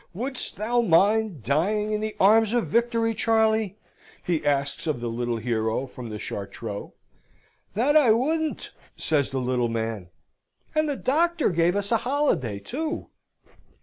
Wouldst thou mind dying in the arms of victory, Charley?" he asks of the little hero from the Chartreux. "That I wouldn't," says the little man; "and the doctor gave us a holiday, too."